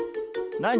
何？